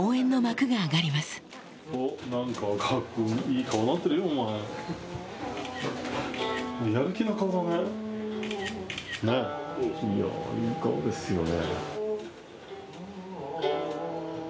いやいい顔ですよね。